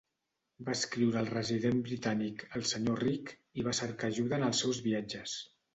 Va escriure al resident britànic, el Sr. Rich, i va cercar ajuda en els seus viatges.